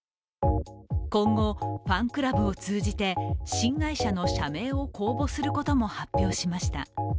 今後、ファンクラブを通じて新会社の社名を公募することも発表しました。